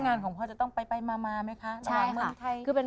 งานของพ่อจะต้องไปมาไหมคะ